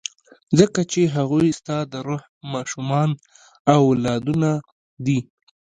ځکه چې هغوی ستا د روح ماشومان او اولادونه دي.